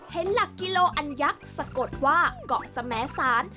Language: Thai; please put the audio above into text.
เห็นหลักกิโลอันยักษ์สะกดว่าเกาะสมสาร